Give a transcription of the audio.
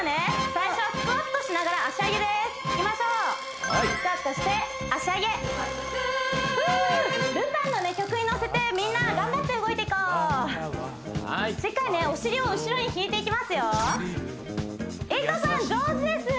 最初はスクワットしながら脚上げですいきましょうスクワットして脚上げルパンのね曲にのせてみんな頑張って動いていこうしっかりねお尻を後ろに引いていきますよいとさん上手です